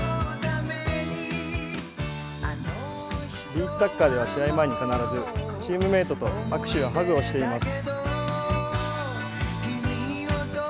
ビーチサッカーでは試合前に必ずチームメートと必ず握手やハグをしています。